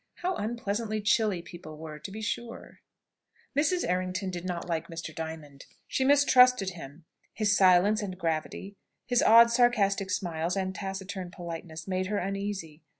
How unpleasantly chilly people were, to be sure! Mrs. Errington did not like Mr. Diamond. She mistrusted him. His silence and gravity, his odd sarcastic smiles, and taciturn politeness, made her uneasy.